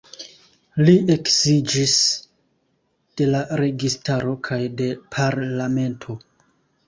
Li eksiĝis de la registaro kaj de parlamento.